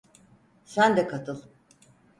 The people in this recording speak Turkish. Sen de katıl.